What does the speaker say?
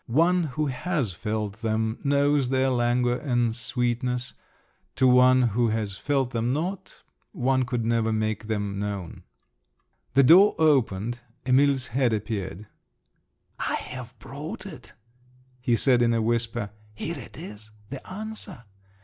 One who has felt them knows their languor and sweetness; to one who has felt them not, one could never make them known. The door opened—Emil's head appeared. "I have brought it," he said in a whisper: "here it is—the answer!"